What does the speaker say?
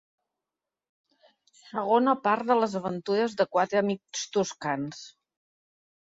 Segona part de les aventures de quatre amics toscans.